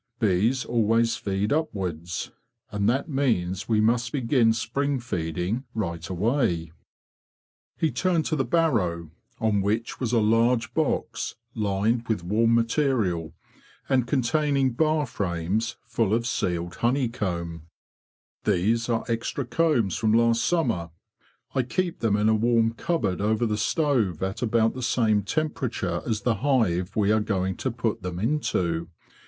Bees always feed upwards, and that means we must begin spring feeding right away." He turned to the barrow, on which was a large Cc 34 THE BEE MASTER OF WARRILOW box, lined with warm material, and containing bar frames full of sealed honeycomb. ""These are extra combs from last summer. I keep them in a warm cupboard over the stove at about the same temperature as the hive we are going to put them into.